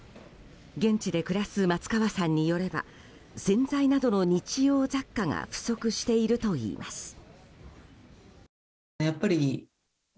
現地で暮らす松川さんによれば洗剤などの日用雑貨が不足しているといいます。